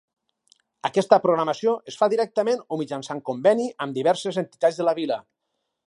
Aquesta programació es fa directament o mitjançant conveni amb diverses entitats de la Vila.